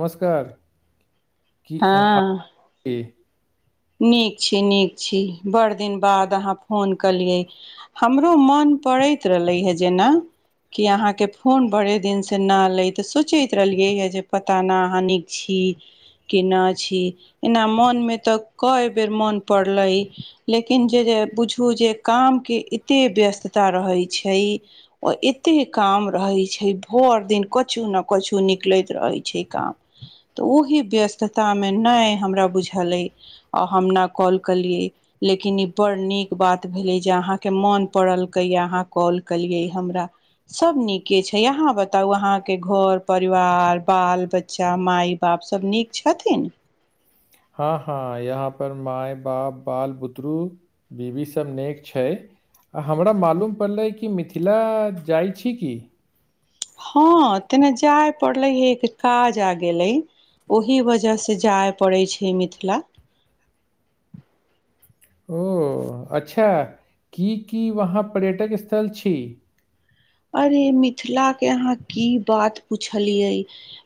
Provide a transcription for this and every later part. नमस्कार की ह हा हँ [unintelligible] नीक छी नीक छी बड़ दिन बाद अहाँ फोन केलियै हमरो मोन पड़ैत रहलै हे जेना की अहाँके फोन बड़े दिन से ना एलै तऽ सोचैत रहलियै ह जे पता नहि अहाँ नीक छी ह [inaudible] के ना छी एना मोन मे तऽ कय बेर मोन पड़ले लेकिन जे जे बुझू जे कामके एतेक व्यस्तता रहै छै ओ एतेक काम रहैत छै भरि दिन कछु ने कछु निकलैत रहै छै काम तऽ ओही व्यस्ततामे नहि हमरा बुझल अइ आ हम ने कॉल केलियै लेकिन ई बड़ नीक बात भेलै जे अहाँके मोन पड़लकैए अहाँ कॉल केलियै हमरा सब नीके छै यहाँ बताउ अहाँ के घर परिवार बाल बच्चा माय बाप सब नीक छथिन हँ हँ यहाँ पर माय बाप बाल बुतरू बीवी सभ नेक छै आ हमरा मालूम पड़लै कि मिथिला जाइ छी की हँ तेना जाय पड़ले हे एक काज आ गेले ओहि वजहसँ जाइ पड़ैत छै मिथिला ओ अच्छा की की वहाँ पर्यटक स्थल छै अरे मिथिला के अहाँ की बात पुछलिए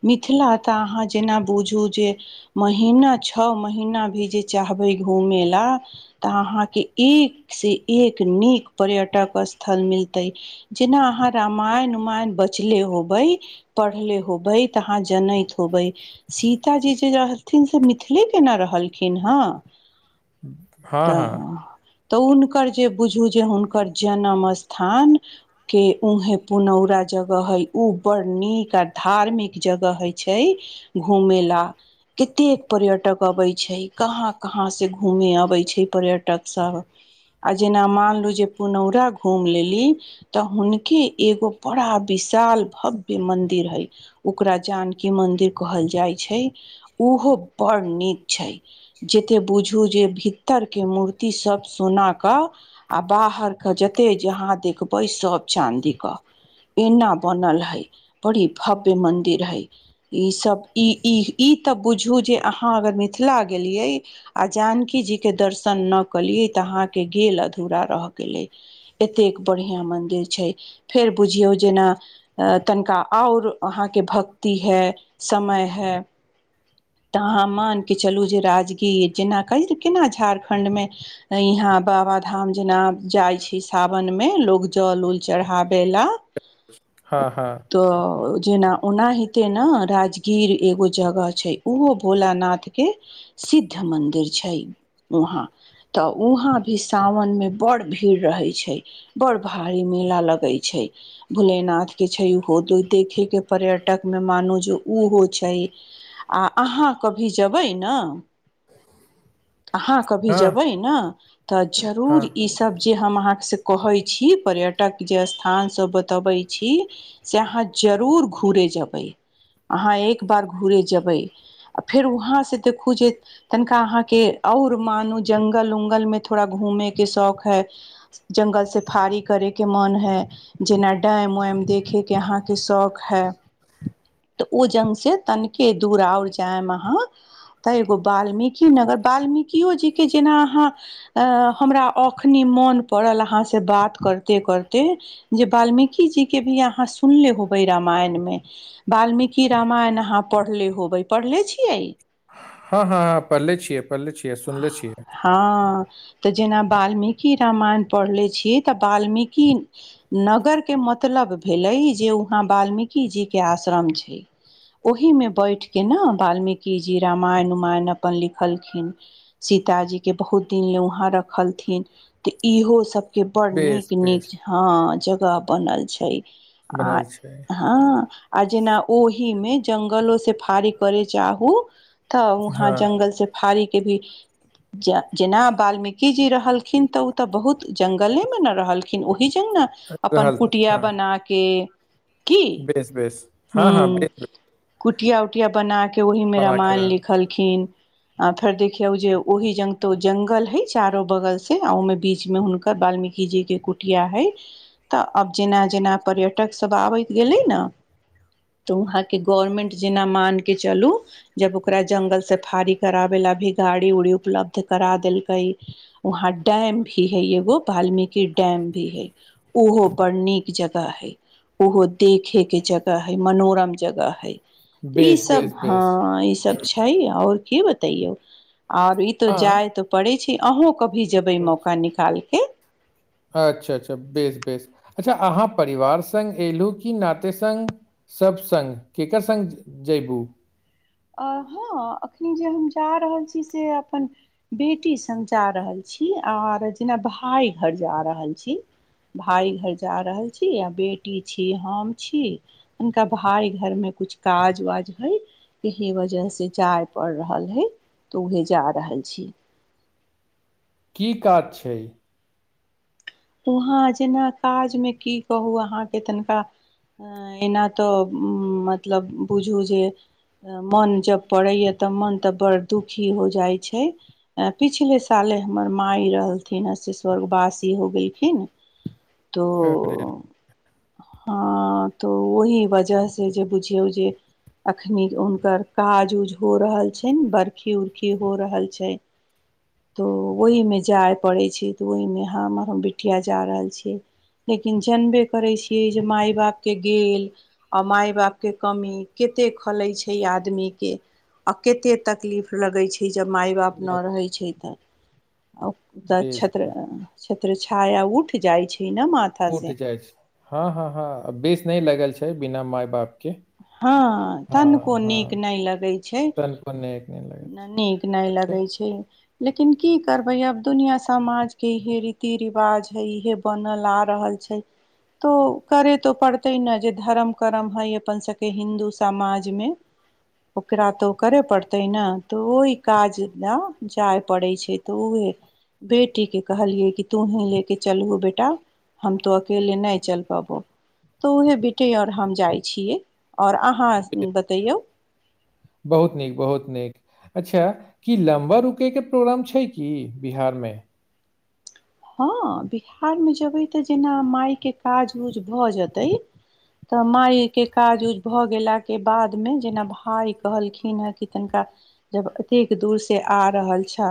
मिथिला तऽ अहाँ जेना बुझू जे महीना छओ महीना भी जे चाहबै घूमे ला तऽ अहाँके एक से एक नीक पर्यटक स्थल मिलतै जेना अहाँ रामायण उमायण बचले होबे पढ़ले होबै तहाँ जनैत होबै सीताजी जे रहथिन से मिथिले केना रहलखिन हँ हाँ तऽ हाँ तऽ हुनकर जे बुझू जे हुनकर जन्म स्थान के उहे पुनौरा जगह है उ बड़ नीक आ धार्मिक जगह होइ छै घूमे लऽ कतेक पर्यटक अबै छै कहाँ कहाँ से घूमे अबै छै पर्यटक सब आ जेना मानलु जे पुनौरा घूम लेली तऽ हुनके एगो बड़ा विशाल भव्य मदिर हय ओकरा जानकी मन्दिर कहल जाइ छै ओहो बड़ नीक छै जतेक बुझू जे भीतरके मूर्तिसभ सोना कऽ आ बाहर के जतेक जहाँ देखबै सभ चाँदीक एना बनल हय बड़ी भव्य मंदिर हय ईसभ ई ई तऽ बुझू जे अहाँ अगर मिथिला गेलियए आ जानकी जीके दर्शन नहि केलियै तऽ अहाँके गेल अधूरा रह गेलै एतेक बढ़िआँ मन्दिर छै फेर बुझियौ जेना तनिका आओर अहाँके भक्ति है समय है तऽ अहाँ मानि कऽ चलू जे राजगीर जेना कही केना झारखण्ड मे यहाँ बाबाधाम जेना जाइ छै सावन मे लोको जल उल चढ़ाबे ला हँ हँ तऽ जेना ओनाहिते ने राजगीर एगो जगह छै ओहो भोलानाथके सिद्ध मन्दिर छै उहाँ तऽ उहाँ भी सावन मे बड़ भीड़ रहे छै बड़ भारी मेला लगै छै भोलेनाथ के छै ओहो त देखे के पर्यटक मे मानो जो उहो छै आ अहाँ कभी जेबै ना अहाँ कभी हाँ जेबै ने तऽ हाँ जरूर ई सब जे हम अहाँके से कहै छी पर्यटक जे स्थान सब बतबै छी से अहाँ जरूर घुरे जेबै अहाँ एक बार घुरे जेबै आ फेर वहाँसँ देखू जे तनिका अहाँके आओर मानू जंघल उंगलमे थोड़ा घूमयके शौक है जंगल सेफारी करैके मोन हैए शौक है [inaudible] तऽ ओ जंग से तनिके दुर आओर जायब अहाँ तऽ एगो वाल्मीकी नगर वाल्मीकिओ जीे के जेना अहाँ अ हमरा एखनि मोन पड़ल अहाँसँ बात करते करिते जे वाल्मीकिजीे भी अहाँ सुनले होबै रामायणमे वाल्मीकि रामायण अहाँ पढ़ले होबे पढ़ले छियै हँ, हँ, पढ़ले छियै, पढ़ले छियै, सुनले छियै। हँ तऽ जेना वाल्मीकि रामायण पढ़ले छियै तऽ वाल्मीकि। नगरके मतलब भेलै जे वहाँ वाल्मीकि जी के आश्रम छै। ओहीमे बैठ कऽ ने वाल्मीकि जी रामायण उमायण अपन लिखलखिन। सीताजी के बहुत दिन उ उहाँ रखलखिन। इहो सभके बड़ बेस नीक निक बेस ह, जगह बनल छै। आ, बनल छै हँ। आ जेना ओहिमे जंगलो से भारी करय चाहू। त वहाँ हाँ जंगल से भारीके भी, जेना वाल्मीकि जी रहलखिन तऽ। तऽ बहुत जंगलेमे न रहलखिन ओहि जंगल। अपन रहल कुटिया हाँ बना के की, बेस बेस हाँ हाँ ह। बेस बेस कुटिया उटिया बनाके वहिमे बना के रामायण रहल लिखलके। खिन देखियौ जे ओहि जतो जंगल हय चारो बगल से ओमे। बीचमे हुनकर वाल्मीकि जी के कुटिया है। तऽ आब, जेना-जेना पर्यटक सभ आबैत गेलै ने। तऽ वहाँकेँ गवर्मेंट जेना मानि कऽ चलू। जब ओकरा जंगल से भारी कराबे ला भी गाड़ी उड़ी उपलब्ध करा देलकै। वहाँ टेम भी है यगो वाल्मीकि टेम भी है ओहो बड़ निक जगह है ओहो देखे के जगह है मनोरम जगह है। ई बेस सभ बेस बेस हँ ई सभ छै, आओर की बताउ? आ ई तऽ हँ जायते। पड़ै छै, अहूँ कभी जेबै मौका निकाल के अच्छा, अच्छा, बेस बेस अच्छा, अहाँ परिवार सग एलहु की नाते संघ। सभ संघ केकर संघ जयबू। अहाँ हँ, एखन जे हम जा रहल छी से अपन। बेटी संघ जा रहल छी, आर जेना भाय घर जा रहल छी। भाय घर जा रहल छी, आ बेटी छी हम छी हुनका भाय घरमे कछु काज वाज हइ। एहे वजह से जाय पड़ रहल है तऽ उहे जा रहल छी। कि काज छै? वहाँ जेना काजमे की कहू अहाँकेँ तनिका। एना तऽ मतलब बुझू जे मोन जब पड़ैया। तऽ मन तऽ बड़ दुखी हो जाइ छै। पिछला साल हमर माय रहलीह, हँ, से स्वर्गवासी भऽ गेलीह। हने तो। अरे हँ, तो ओहि वजह से जे बुझिऔ जे। अखनी हुनकर काज ऊज हो रहल छनि बर्खी उरखी हो रहल छै। [inaudible] तऽ ओहीमे जाय पड़ै छै, तऽ ओहिमे हमर हम आ बिटिया जा रहल छीयै। लेकिन जनबे करै छियै, जे माइ बापके गेल आ माय बापके कमी कतेक खलैत छै, आदमीके। आ कतेक तकलीफ लगैत छै, जब माय बाप बेस नहि रहैत छै, तऽ। आ तऽ छै बेस छात्र छाया उठ जाइ छै, ने। माथा उठ से जाइ छै हँ हँ हँ बेस नहि लगल छै बिना माय बाप के हँ तनिको हँ हँ नीक नहि लगैत छै [unintelligible] नीक नहि लगै छै लेकिन की करबे अब दुनिया समाज के इहे रीति रिवाज है इहें बनल आ रहल छै तऽ करय तऽ पड़तै ने जे धर्म करम हइ अपन सभके हिन्दू समाजमे ओकरा त उ करे पड़ते ते ने तऽ ओहि काज जाय पड़ै छै तऽ उहै बेटीके हे कहलियए कि तू ही ले के चलब बेटा हम तो अकेले नहि चल पबोहो तऽ उहे बेटे आओर हम जाइ छियै आओर अहाँ बेस, बतैयौ बहुत नीक बहुत नीक अच्छा कि लम्बा रुकेके प्रोग्राम छै कि बिहारमे हँ बिहारमे जेबै तऽ जेना मायके काज उज भऽ जेतै तऽ मायके काज उज भऽ गेलाके बादमे जेना भाय कहलखिन हेँ कि तनिका जब एतेक दूर से आ रहल छ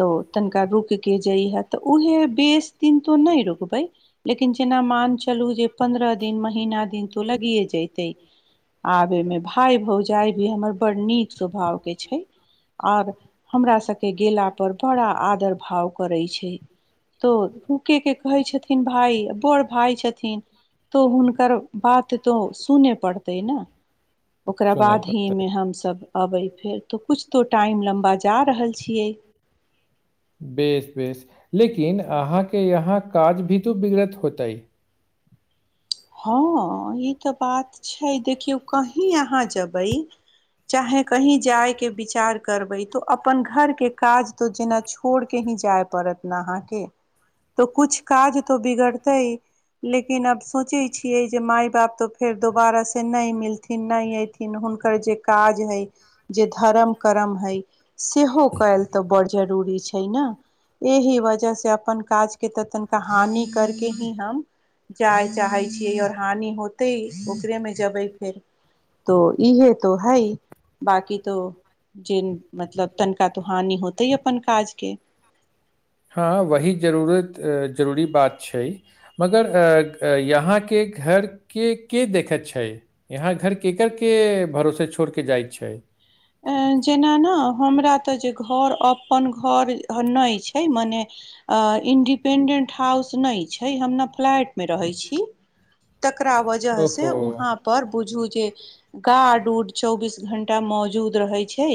तऽ तनिका रुकि के जइहे तऽ उऊहे बेस दिन तो नहि रुकबए लेकिन जेना मान चलू जे पन्द्रह दिन महीना दिन तू लगिए जैते आब एहिमे भाय भौजाइ भी हमर बड़ नीक स्वभावके छै आर हमरा सभके गेला पर बड़ा आदर भाव करैत छै तो फुके के कहै छथिन्ह भाय बड़ भाय छथिन तो हुनकर बात तो सुनय पड़तै नै ओकरा सुनय बाद पड़तै हीमे हमसब अबै फेर तऽ किछु तो टाइम लम्बा जा रहल छियै बेस बेस लेकिन अहाँके यहाँ काज भी तो बिगड़त होतइ हँ ई तऽ बात छै देखियौ कहीं अहाँ जेबै चाहे कही जाय के विचार करबै तो अपन घर के काज तो जेना छोड़ के ही जाय पड़त न अहाँके तो कुछ काज तो बिगड़ते ह लेकिन अब सोचे छियै जे माय बाप तऽ फेर दोबारा से नहि मिलथिन नहि अयथिन हुनकर जे काज हइ जे धर्म करम हइ सेहो कयल तऽ बड़ जरूरी छै ने एहि वजह से अपन काज के तऽ तनिका हानि करके ही हम जाय चाहै छियै आओर हानि होतै ओकरेमे जेबै फेर त इहे तो हैइ बाकी तो ज मतलब तनिका तऽ हानि होते है अपन काज के हँ वह जरूरत जरूरी बात छै मगर यहाँके घर के के देखैत छै यहाँ घर केकर के भरोसे छोड़ि कऽ जाइत छै जेना न हमरा तऽ जे घर अपन घर नइ छै मने इंडिपेन्डेन्ट हाउस नहि छै हम ने फ्लैटमे रहैत छी तकरा वजह से ओहो वहाँ पर बुझू जे गार्ड उड चौबीस घंटा मौजूद रहै छै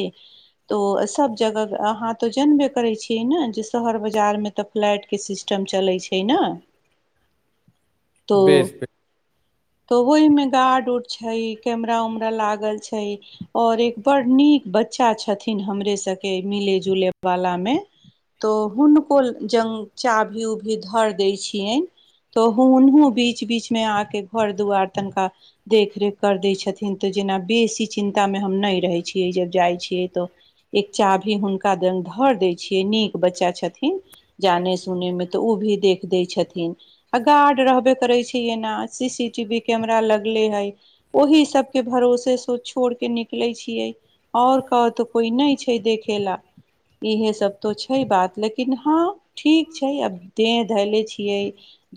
तो सब जगह अहाँ तऽ जनबे करै छियै ने शहर बजारमे तऽ फ्लैटके सिस्टम चलै छै न तो बेस तऽ ओहिमे गार्ड उड छै, कैमरा उमरा लागल छै, और एक बड़ निक बच्चा छथिन हमरे सभके मिले जुले वालामे तऽ हुनको जग चाभी उभी धर दै छिय। तो हुँ ओनहु बीच बीचमे आके घर दुआर तनिका। देखरेख कर दै छथिन, तऽ जेना बेसी चिन्तामे हम नहि रहैत। छिये जब जाइ छियै तऽ। एक चाभी हुनका धर दै छियै निक बच्चा छथिन। जाने-सुनने तऽ ओ भी देख दै छथिन। आ गार्ड रहबे करे छै, एना सीसीटीवी कैमरा लगले हे। ओहि सभके भरोसे से छोड़ के निकले छिये। आओर कहतऽ कोई नहि छै, देखय ल। इहे सभ तो छै बात लेकिन हँ। ठीक छै, आब देह धैले छियै।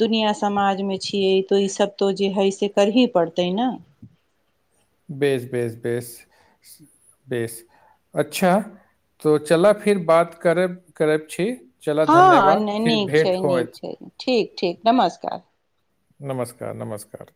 दुनिआ समाजमे छियै तऽ ईसभ तो जे हइ से करही पड़तै ने। बेस, बेस, बेस, बेस। अच्छा, तऽ चलऽ फिर बात करै करैब छै। चलऽ हँ धन्यवाद फिर नीक छै भेट नीक होत। छै ठीक, ठीक, नमस्कार। नमस्कार, नमस्कार।